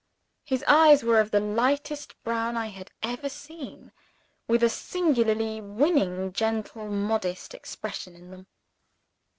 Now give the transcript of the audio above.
His eyes were of the lightest brown I had ever seen with a singularly winning gentle modest expression in them.